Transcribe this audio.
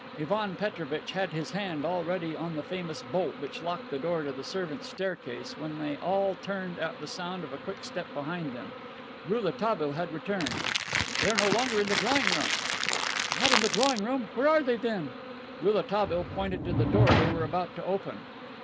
Ivan Petrovitch had his hand already on the famous bolt which locked the door to the servants' staircase when they all turned at the sound of a quick step behind them. Rouletabille had returned. "They are no longer in the drawing room." "Not in the drawing room! Where are they, then?" Rouletabille pointed to the door they were about to open.